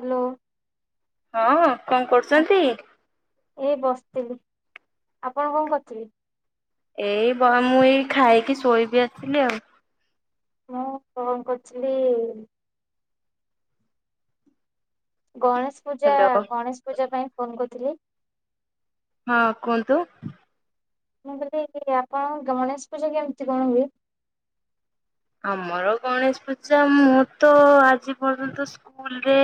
Hello. ହଁ କଣ କରୁଛନ୍ତି। ଏଇ ବସିଥିଲି। ଆପଣ କଁ କରୁଥିଲେ। ଏଇ ବ ମୁଁ ଏଇ ଖାଇକି ଶୋଇବି ଆସିଲି ଆଉ। ମୁଁ କଣ କରୁଥିଲି। ଗଣେଶେ ପୂଜା ହ୍ୟାଲୋ ଗଣେଶ ପୂଜା ପାଇଁ ଫୋନ କରୁଥିଲି। ହଁ କୁହନ୍ତୁ। ମୁଁ କହିଲି କି ଆପଣଙ୍କ ଗଣେଶ ପୂଜା କେମିତି କଣ ହୁଏ। ଆମର ଗଣେଶେ ପୂଜା ମୁଁ ତ ଆଜି ପର୍ଯ୍ୟନ୍ତ ସ୍କୁଲରେ।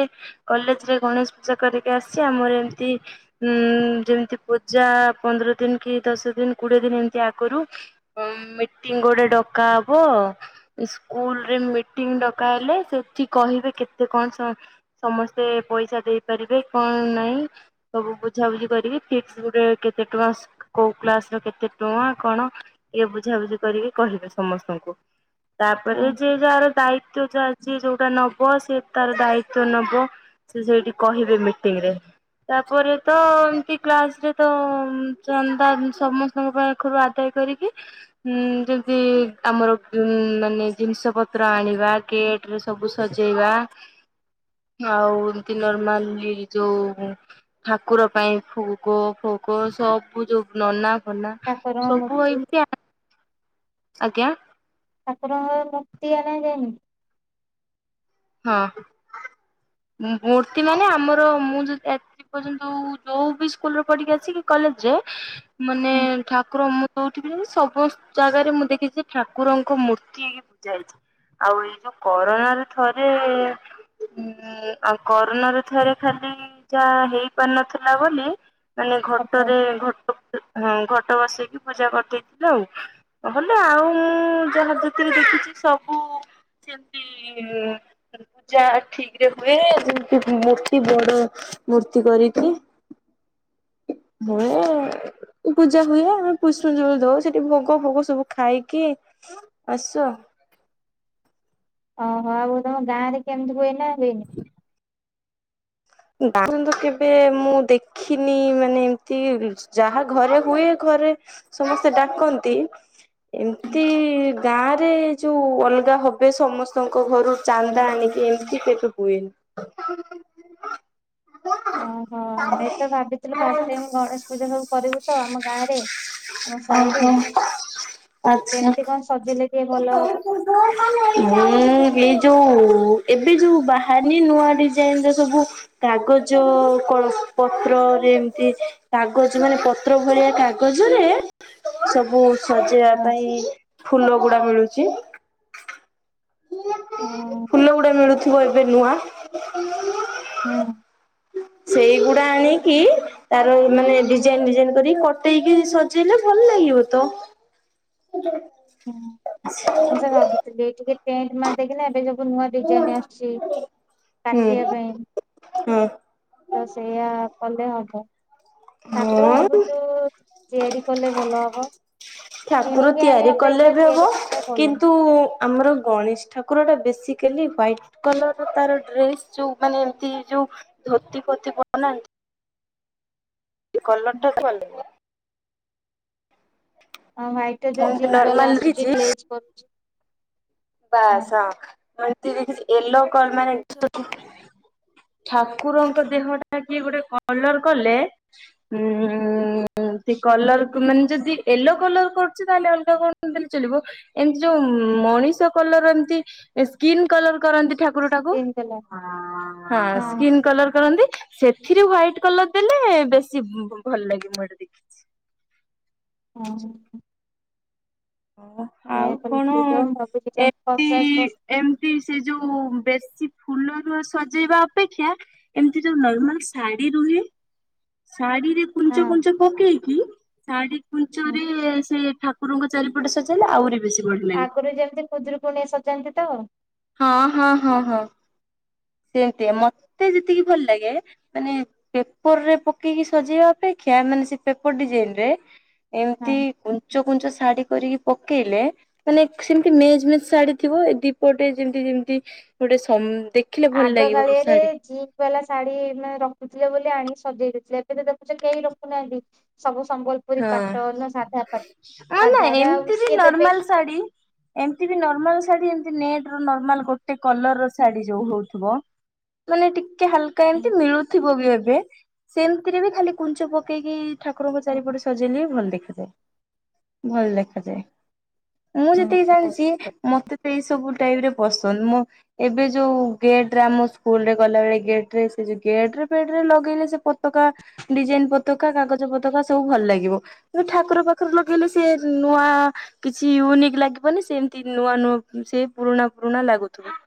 କଲେଜ ରେ ଗଣେଶେ ପୂଜା କରିକି ଆସିଚି ଆମର ଏମିତି। ହୁଁ ଯେମିତି ପୂଜା ପନ୍ଦର ଦିନି କି ଦଶ ଦିନ କୋଡିଏ ଦିନ ଏମିତି ଆଗରୁ। ଉଁ ମିଟିଙ୍ଗି ଗୋଟେ ଡକା ହବ। ସ୍କୁଲ ରେ ମିଟିଙ୍ଗି ଡକାହେଲେ ସେଠି କହିବେ କେତେ କଣ ସ ସମସ୍ତେ ପଇସା ଦେଇ ପାରିବେ କଣ ନାଇଁ। ସବୁ ବୁଝାବୁଝି କରିକି ଫିକ୍ସ ଗୋଟେ କେତେ ଟଙ୍କା ସ କୋଉ କ୍ଲାସ ର କେତେ ଟଙ୍କା କଣ ଇଏ ବୁଝାବୁଝି କରିକି କହିବେ ସମସ୍ତଙ୍କୁ। ତାପରେ ଯିଏ ଯାହାର ଦାୟିତ୍ଵ ଯାହା। ସିଏ ଯୋଉଟା ନବ ସିଏ ତାର ଦାୟିତ୍ବ ନବ ସେ ସେଇଠି କହିବେ ମିଟିଙ୍ଗି ରେ। ତାପରେ ତ ଏମତି କ୍ଲାସ ରେ ତ ଚାନ୍ଦା ସମସ୍। ସମସ୍ତ ଙ୍କ ପାଖରୁ ଆଦାୟ କରିକି ଉଁ ଯେମତି ଆମର। ମାନେ ଜିନିଷ ପତ୍ର ଆଣିବା ଗେଟେ ରେ ସବୁ ସଜେଇବା। ଆଉ ଏମିତି ନର୍ମାଲି ଯୋଉ। ଠାକୁର ପାଇଁ ଭୋଗ ଫୋଗ ସବୁ ଯୋଉ ନନା। ଫନା ଠାକୁରଙ୍କ ସବୁ ମୂର୍ତ୍ତି ଏମିତିଆ। ଆଜ୍ଞା। ଠାକୁରଙ୍କର ମୁୂର୍ତ୍ତି ଆଣିବାକୁ ଯାଇନ। ହଁ ମୂ ମୂର୍ତ୍ତି ମାନେ ଆମର ମୁଁ ଯଦି ଏ ପର୍ଯ୍ୟନ୍ତ ଯୋଉ ବି ସ୍କୁଲ ରେ ପିଢି କି ଆସି କି କଲେଜ ଜାଏ ମାନେ ହଁ ଠାକୁର ମୂ ଯୋଉଠି ସବୁ ଜାଗାରେ ମୁଁ ଦେଖିଛି ଠାକୁରଙ୍କ ମୂର୍ତ୍ତି ହେଇ ପୂଜା ହେଇଛି। ଆଉ ଏଇ ଯୋଉ କରୋନା ରେ ଥରେ ଉଁ ଆଉ କରୋନା ରେ ଥରେ ଖାଲି ଯାହା ହେଇପାରିନଥିଲା ବୋଲି ମାନେ ଫଟୋ ଘଟରେ ଘଟ ହୁଁ ଘଟ ବସେଇକି ପୂଜା କରିଦେଇଥିଲ ଆଉ। ହେଲେ ଆଉ ମୁଁ ଯାହା ଯେତିକି ଦେଖିଛି ସବୁ ସେମିତି ହୁଁ। ଯାହା ଠିକ୍ ରେ ହୁଏ ଯେମିତି ମୂର୍ତ୍ତି ବଡ ମୂର୍ତ୍ତି କରିକି [unintelligible] ପୂଜା ହୁଏ ଆମେ ପୁଷ୍ପଂଜଳି ଦଉ ସେଠି ଭୋଗ ଫୋଗ ସବୁ ଖାଇକି ଆସୁ ଆଉ ଓହୋ ଆଉ ତମ ଗାଁ ରେ କେମିତି ହୁଏନା ହୁଏନି? [unintelligible] କେବେ ମୁଁ ଦେଖିନି ମାନେ ଏମିତି ଯାହା ଘରେ ହୁଏ ଘରେ ସମସ୍ତେ ଡାକନ୍ତି? ଏମତି ଗାଁ ରେ ଯୋଉ ଅଲଗା ହବେ ସମସ୍ତଙ୍କ ଘରୁ ଚାନ୍ଦା ଆଣିକି ଏମିତି କେବେ ହୁଏନି। ଚା ଓହୋ ଆମେ ତ ଭାବିଥିଲୁ ଫାଷ୍ଟ ଟାଇମ୍ ଗଣେଶ ପୂଜା ସବୁ କରିବୁ ତ ଆମ ଗାଁ ରେ। ଆମ ସାହିରେ ଓହୋ। ଆଚ୍ଛା। କେମିତି କଣ ସଜେଇଲେ ଟିକେ ଭଲ ହବ। ମୁଁ ଏଇ ଯୋଉ ଏବେ ଯୋଉ ବାହରିନି ନୂଆ ଡିଜାଇନ୍ ର ସବୁ କାଗଜ କଣ ପତ୍ରରେ ଏମିତି କାଗଜ ମାନେ ପ ତ୍ର ଭଳିଆ କାଗଜରେ ସବୁ ସଜେଇବା ହଁ ପାଇଁ ଫୁଲ ଗୁଡା ମିଳୁଛି। ହଁ ଫୁଲ ଗୁଡା ମିଳୁଥିବ ଏବେ ନୂଆ। ହୁଁ। ସେଇଗୁଡା ଆଣିକି ତାର ମାନେ ଡିଜାଇନ୍ ଡିଜାଇନ୍ କରିକି କଟେଇକି ସଜେଇଲେ ଭଲ ଲାଗିବ ତ। [inaudible] ହୁଁ ମୁଁ ସେଇଆ ଭାବୁଥିଲି ଏଇ ଟିକେ ଟେଣ୍ଟ ମାରି ଦେଇକିନା ଏବେ ଯୋଉ ନୂଆ ଡିଜାଇନ୍ ଆସୁଛି ହୁଁ କାଟିବା ପାଇଁ। ହଁ ତ ସେଇଆ କଲେ ହବ। ଠାକୁର ହଁ ଭାବୁଛୁ ତିଆରି କଲେ ଭଲ ହବ। ଠାକୁର କିଣିକି ତିଆରି ଆଣିବା କଲେ ଅପେକ୍ଷା ବି ହବ ତିଆରି କଲେ ଭଲ। କିନ୍ତୁ ଆମର ଗଣେଶ ଠାକୁର ଟା ବେସିକାଲି ହ୍ୱଇଟ୍ କଲର ର ତାର ଡ୍ରେସ୍ ଯୋଉ ମାନେ ଏମିତି ଯୋଉ ଧୋତି ଫୋତି ବନାନ୍ତି। କଲର ଟା [unintelligible] ହଁ ହାଇଟ୍ ଯୋଉ ଏମତି ଜିଙ୍କ ନର୍ମାଲ ବାଲା ଆସୁଛି ଦେଖିଛି ଗ୍ଲେଜ୍ କରୁଛି। ବାସ୍ ହଁ ହଁ [unintelligible] ୟେଲୋ କଣ ମାନେ ଠାକୁରଙ୍କ ଦେହଟା କି ଗୋଟେ କଲର କଲେ ଉଁ ସେ କଲର କୁ ମାନେ ଯଦି ୟେଲୋ କଲର କରୁଛି ତାହେଲେ ଅଲଗା କଣ ଚଳିବ ଏମିତି ଯୋଉ ମଣିଷ କଲର ଏମିତି ସ୍କିନ୍ କଲର କରନ୍ତି ଠାକୁର ଟାକୁ ଗ୍ରୀନ କଲର ହଁ ସ୍କିନ୍ କଲର୍ କରନ୍ତି। ସେଥିରେ ହ୍ୱଇଟ୍ କଲର୍ ଦେଲେ ବେଶୀ ବ ଭଲ ଲାଗେ ମୁଁ ଏଇଟା ଦେଖିି ହଁ। ହଁ ବା। ଏଇଆ କଲେ ଠିକ୍ ହବ ମୁଁ ଭାବୁଛି [unintelligible] ଏମିତି ସେ ଯୋଉ ବେଶୀ ଫୁଲରୁ ସଜେଇବା ଅପେକ୍ଷା ଏମିତି ଯୋଉ ନର୍ମାଲ ଶାଢୀ ରୁହେ ଶାଢୀ ରେ ହଁ କୁଞ୍ଚ କୁଞ୍ଚ ପକେଇକି ଶାଢୀ କୁଞ୍ଚ ହଁ ରେ ସେ ଠାକୁରଙ୍କ ଚାରିପଟେ ସଜେଇଲେ ଆହୁରି ବି ଆଗରୁ ଯେମିତି ଖୁଦୁରୁକୁଣୀ ରେ ସଜାନ୍ତି ତ? ହଁ ହଁ ହଁ ହଁ ସେଏନ୍ତିଆ ମତେ ଯେତିକି ଭଲ ଲାଗେ ମାନେ ପେପର ରେ ପକେଇକି ସଜେଇବା ଅପେକ୍ଷା ମାନେ ସେ ପେପର ଡିଜାଇନ ରେ ଏମିତି ହଁ ଙ୍କୁ କୁଞ୍ଚ କୁଞ୍ଚ ଶାଢୀ କରିକି ପକେଇଲେ ମାନେ ସେମିତି ମେଜ୍ ମେଜ୍ ଶାଢୀଥିବ ଏ ଦିପଟ ଗୋଟେ ଯେମିତି ଯେମିତି ଗୋଟେ ସମ ଦେଖେ ଆଗ କାଳିଆରେ ଯିପି ହେଲା ଶାଢୀ ମାନେ ରଖୁଥିଲେ ବୋଲି ଆଣିି ସଜେଇ ଦେଇଥିଲେ ଏବେ ତ ଦେଖୁଛ କେହି ରଖୁନାହାନ୍ତି। ସବୁ ସମ୍ବଲପୁରୀ ହଁ। ପାଟ ନା ସାଧା ପାଟ ସାଧାର ଆଉ ସିଏ ଦେବେ। ଶାଢ଼ୀ। ଏମିତି ବି ନର୍ମାଲ ଶାଢୀ ଏମିତି ନେଟ ର ନର୍ମାଲ ଗୋଟେ କଲର ର ଶାଢୀ ଯୋଉ ହଉଥିବ। ମାନେ ଟିକେ ହାଲୁକା ଏମିତି ମିଳୁଥିବ ବି ଏବେ ସେମିତିରେ ବି ଖାଲି କୁଞ୍ଚ ପକେଇକି ଠାକୁରଙ୍କ ଚାରିପଟେ ସଜେଇଲି ଭଲ ଦେଖାଯାଏ ଭଲ ଦେଖାଯାଏ। ମୁଁ ଯେତିକି ଜାଣିଚି ମତେ ସେ ସବୁ ଟାଇପିରେ ପସନ୍ଦ ମୋ ଏବେ ଯୋଉ ଗେଟେ ରେ ଆମ ସ୍କୁଲୁ ରେ ଗଲାବେଳେ ଗେଟେ ରେ ସେ ଯୋ ଗେଟେ ଫେଟେ ରେ ଲଗେଇଲେ ସେ ପତକା ଡିଜାଇନି ପତକା କାଗଜ ପତକା ସବୁ ଭଲ ଲାଗେ। [unintelligible] ଠାକୁର ପାଖରେ ଲଗେଇଲେ ସିଏ ନୂଆ କିଛି ୟୁନିକ୍ ଲାଗିବନି ସେମିତି ନୂଆ ନୂଆ ସେ ପୁରୁଣା ପୁରୁଣା ଲାଗୁଥିବ।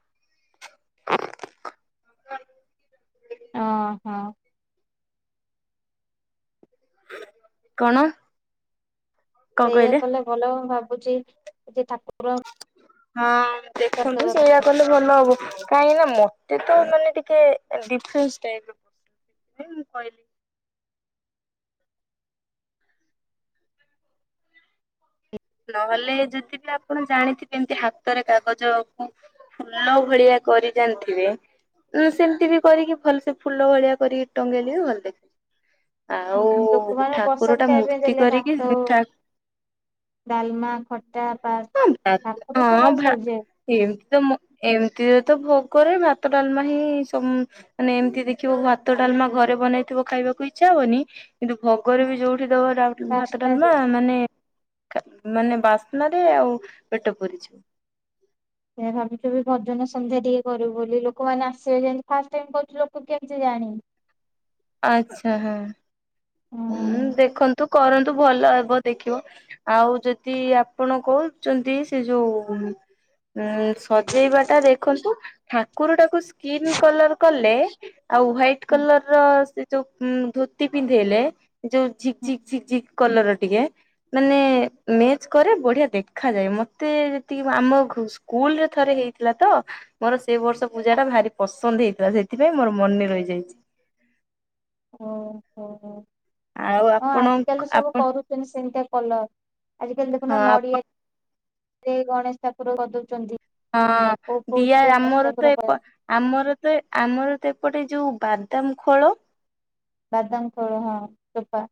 ଅ ହଁ। କଣ? କଣ ସେଇଆ କହିଲେ? କଲେ ଭଲ ଭାବୁଚି ଯେ ଠାକୁର ହଁ ଦେଖନ୍ତୁ ସେଇଆ କଲେ ଭଲ ହବ କାହିଁକି ନା ମତେ ତ ମାନେ ଟିକେ ଡିଫ୍ରେସେ ଟାଇପିର ମୁଁ କହିଲି ନହେଲେ ଯଦି ବି ଆପଣ ଜାଣିଥିବେ ଏମିତି ହାତରେ କାଗଜକୁ ଫୁଲ ଭଳିଆ କରି ଜାଣିଥିବେ। ଉଁ ସେମିତି ବି କରିକି ଭଲସେ ଫୁଲ ଭଳିଆ କରିକି ଟଙ୍ଗେଇଲେ ଭଲ ଦେଖା ଆଉ ପାଇଁ ଲୋକମାନେ ଠାକୁର ପ୍ରସାଦ ଟା ଖାଇବା ପାଇଁ ମୂର୍ତ୍ତି ଦେଲେ କରିକି ଭାତ ଦେଖା ଡାଲମା, ଖଟା, ପାସ, ହଁ ଭାତ ପାମ୍ପଡ ତ ହଁ ବାସ ଭା ସରିଯାଏ। ଏମିତି ତ ଏମିତିରେ ତ ଭୋଗରେ ଭାତ, ଡାଲମା ହିଁ ସମ ମାନେ ଏମିତି ଦେଖିବ ଭାତ, ଡାଲମା ଘରେ ବନେଇଥିବ ଖାଇବାକୁ ଇଚ୍ଛା ହବନି। କିନ୍ତୁ ଭୋଗରେ ବି ଯୋଉଠି ଦବ ଡାଲମା ଭାତ, ପାସ୍ତା ଡାଲମା ମାନେ ମାନେ ବାସ୍ନା ରେ ଆଉ ପେଟ ପୁରିଯିବ। ସେୟା ଭାବୁଚୁ ଭଜନ ସନ୍ଧ୍ୟା ଟିକେ କରିବୁ ବୋଲି ଲୋକମାନେ ଆସିବେ ଯେମିତି ଫାଷ୍ଟ ଟାଇମି କରୁଚୁ ବୋଲି ଲୋକ କେମିତି ଜାଣିବେ? ଆଛା ହଁ। ହୁଁ ଦେଖନ୍ତୁ କରନ୍ତୁ ଭଲ ହବ ଦେଖିବ। ଆଉ ଯଦି ଆପଣ କହୁଛନ୍ତି ସେ ଯୋଉ ଉଁ ସଜେଇବା ଟା ଦେଖନ୍ତୁ ଠାକୁର ଟାକୁ ସ୍କିନ୍ କଲର କଲେ ଆଉ ହ୍ଵାଇଟ୍ ଓହୋ କଲର ର ସେ ଯୋଉ ଧୋତି ପିନ୍ଧେଇଲେ ଯୋଉ ଝିକ୍ ଝିକ୍ ଝିକ୍ ଝିକ୍ କଲର ଟିକେ ମାନେ ମେଚ କରେ ବଢିଆ ଦେଖାଯାଏ ମତେ ଯେତିକି ଆମକୁ ସ୍କୁଲୁ ରେ ଥରେ ହେଇଥିଲା ତ। ମୋର ସେଇ ବର୍ଷ ପୂଜା ଟା ଭାରି ପସନ୍ଦ ହେଇଥିଲା, ସେଥିପାଇଁ ମୋର ମନେ ରହିଯାଇଛି। ଓହୋ ହଁ ଆଉ ଆପଣ ଆଜିକାଲି ତ ସବୁ ଆପଣ କରୁ ମାନେସେମିତିଆ କଲର ଆଜି କାଲି ହଁ ଦେଖୁନ ଆପଣ ନଡିଆ ସେ ଗଣେଶ ଠାକୁର କରି ଦଉଛନ୍ତି। ହଁ ଦିଆ ଆମର ତ କର ଏପ ଆମର ତ ଆମର ତ ଏପଟେ ଯୋଉ ବାଦାମ ଖୋଳ ବାଦାମ ଖୋଳ ହଁ ଚୋପା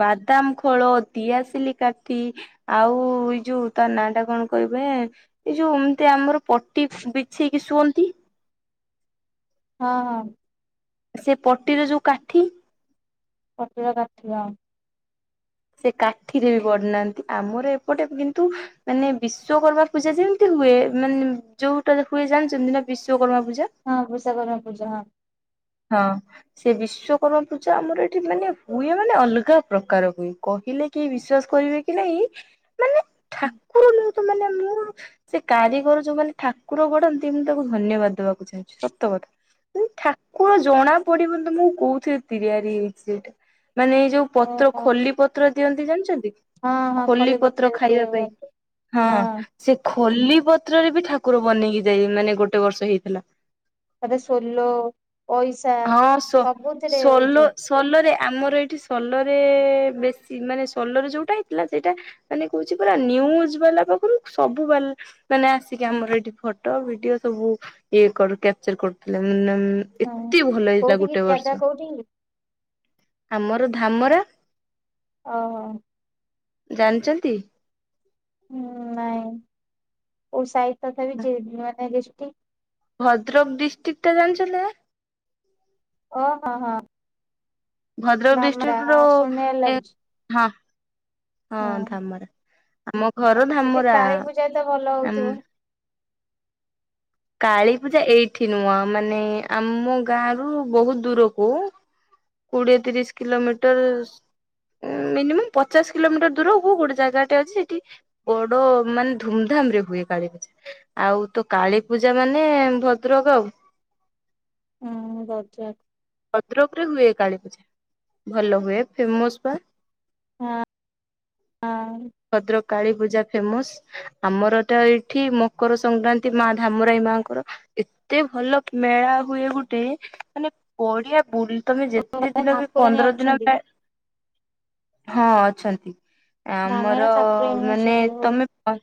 ବାଦାମ ଖୋଳ, ଡିଆସିଲି କାଠି ଆଉ ଏଇ ଯୋଉ ତା ନାଁ ଟା କଣ କହିବେ? ଏ ଯୋଉ ଏମିତି ଆମର ପଟି ବିଛେଇକି ଶୁଅନ୍ତି। ହଁ ହଁ। ସେ ପଟିରେ ଯୋଉ କାଠି। ପତୁକା କାଠିବା। ସେ କାଠିରେ ବି ପଢୁନାହାନ୍ତି ଆମର ଏପଟେ କିନ୍ତୁ। ମାନେ ବିଶ୍ଵକର୍ମା ପୂଜା ଯେମିତି ହୁଏ ମାନେ ଯୋଉଟା ହୁଏ ଜାଣିଛନ୍ତି ନା ବିଶ୍ଵକର୍ମା ପୂଜା। ହଁ ବିସ୍ୱକର୍ମା ପୂଜା ହଁ। ହଁ। ସେ ବିଶ୍ଵକର୍ମା ପୂଜା ଆମର ଏଠି ମାନେ ହୁଏ ମାନେ ଅଲଗା ପ୍ରକାର ହୁଏ କହିଲେ କେହି ବିଶ୍ଵାସ କରିବେ କି ନାଇଁ ମାନେ ଠାକୁର ତ ମାନେ ମୋର ସେ କାରିଗର ଯୋଉମାନେ ଠାକୁର ଗଢନ୍ତି ମୁଁ ତାକୁ ଧନ୍ୟବାଦ ଦବାକୁ ଚାହୁଁଛି ସତ କଥା। ଏ ଠାକୁର ଜଣା ପଡିବନି ତ ମୁଁ କଉଥିରେ ତିଆରି ହେଇଛି ସେଇଟା ମାନେ ଏଇ ଯୋଉ ପତ୍ର ଓହୋ ଖଲି ପତ୍ର ଦିଅନ୍ତି ଜାଣିଛନ୍ତି? ହଁ ହଁ ଖଲି ପତ୍ର ଖଲିପତ୍ରରେ ବି ଖାଇବା ତିଆରି ପାଇଁ କରନ୍ତି ହଁ। ସେ ଖଲି ପତ୍ରରେ ବି ଠାକୁର ବନେଇକି ଯାଇଏ ମାନେ ଗୋଟେ ବର୍ଷ ହେଇଥିଲା। ତାରେ ସୋଲ ପଇସା ସବୁଥିରେ ହଉଛନ୍ତି। ସୋଲୋରେ ଆମର ଏଇଠି ସୋଲୋରେ ବେଶୀ ମାନେ ସୋଲୋର ଯେଉଁଟା ହେଇଥିଲା ସେଇଟା। ମାନେ କହୁଛି ପୁରା ନିୁଜ ବାଲା ପାଖରୁ ସବୁ ବାଲା। ମାନେ ଆସିକି ଆମର ଏଠି ଫଟୋ ଭିଡିଓ ସବୁ ଇଏ କ୍ୟାପଚର କରୁଥିଲେ ମ। ହଁ ଏତେ ଭଲ ହେଇଥିଲା କୋଉଠିକି ଗୋଟେ ଜାଗା ବର୍ଷ କୋଉଠିକି ଆମର ଧାମରା। ଓହୋ। ଜାଣିଛନ୍ତି। ହୁଁ ନାଇଁ କଉ ସାହିତ ତଥା ବିି ଯି ମାନେ ଜିଷ୍ଟି ଭଦ୍ରକ ଡିଷ୍ଟ୍ରିକ୍ଟା ଜାଣିଞ୍ଚନ୍ତି ନା। ଓହଁ ହଁ। ଭଦ୍ରକ ନମରା ଡିଷ୍ଟ୍ରିକ୍ଟ ହଁ ରୁ ଶୁଣିବାରେ ଏ ଲାଗୁଛି ହଁ ହଁ ଧାମରା। ଆମ ଘର ସେଠି ଧାମରା କାଳୀ ପୂଜା ତ ଭଲ ଆମ୍ ହଉଥିବ। କାଳୀ ପୂଜା ଏଇଠି ନୁହଁ ମାନେ ଆମ ଗାଁ ରୁ ବହୁତ ଦୂରକୁ କୋଡ଼ିଏତିରିଶ କିିଲୋମିଟର। ମିନିମମ୍ ପଚାଶ କିଲୋମିଟର ଦୂର କୁ ଗୋଟେ ଜାଗାଟା ଅଛି ସେଠି ବଡ ମାନେ ଧୁମଧାମ ରେ ହୁଏ କାଳି ପୂଜା। ଆଉ ତୋ କାଳୀପୂଜା ମାନେ ଭଦ୍ରକ ଆଉ। ହୁଁ ବଜାର। ଭଦ୍ରକ ରେ ହୁଏ କାଳୀ ପୂଜା ଭଲ ହୁଏ ଫେମସ ବା। ହଁ ହଁ। ଭଦ୍ରକ କାଳୀ ପୂଜା ଫେମସ। ଆମରଟା ଏଇଠି ମକର ସଂକ୍ରାନ୍ତି ମାଁ ଧାମରାଇ ମା' ଙ୍କର। ଏତେ ଭଲ ମେଳା ହୁଏ ଗୁଟେ, ମାନେ ପଡିଆ ବୁଲ୍ ତମେ ଯେତେ ହଁ ଦିନ ବି ଠାକୁରାଣୀ ପନ୍ଦର ଦିନ ଅଛନ୍ତି ଟା ହଁ, ଅଛନ୍ତି। ଧାମରେ ଆମର ଠାକୁରାଣୀ ମାନେ ଅଛନ୍ତି ହଉ। ତମେ [unintelligible]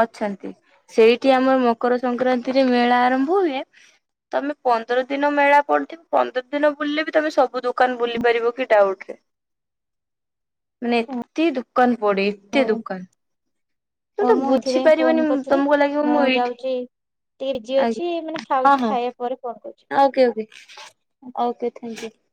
ଅଛନ୍ତି। ସେଇଟି ଆମର ମକର ସଂକ୍ରାନ୍ତିରେ ମେଳା ଆରମ୍ଭ ହୁଏ। ତମେ ପନ୍ଦର ଦିନ ମେଳା ପଡଥିବ। ପନ୍ଦର ଦିନ ବୁଲ୍ ଲେବି ତମେ ସବୁ ଦୋକାନ ବୁଲି ପାରିବ କି, ଡାଉଟ୍ ରେ। ମାନେ ଏତେ ଦୋକାନ ପଡ଼େ, ଏତେ ଦୋକାନ! ତମେ ଓ ତ ମୁଁ ବୁଝି ଏଥିପାଇଁ ଫୋନ୍ ପାରିବନି କରିଥିଲି, ତମକୁ ଲାଗିବ ମୁଁ ଏଇଠି ଯାଉଚି ଟିଏ ଇଜି ଅଛି ମାନେ ଖାଉଛି, ଖାଇବା ପରେ ଫୋନ୍ କରୁଛି। Okay okay. Okay thank you.